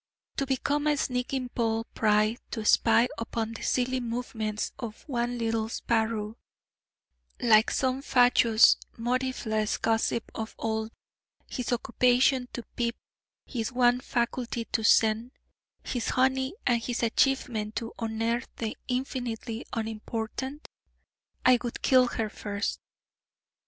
to become a sneaking Paul Pry to spy upon the silly movements of one little sparrow, like some fatuous motiveless gossip of old, his occupation to peep, his one faculty to scent, his honey and his achievement to unearth the infinitely unimportant? I would kill her first!